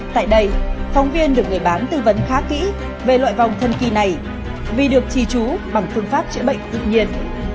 tại đây phóng viên được người bán tư vấn khá kỹ về loại vòng thân kỳ này vì được trì trú bằng phương pháp chữa bệnh tự nhiên